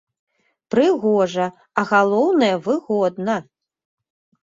Прыгожа, а галоўнае, выгодна.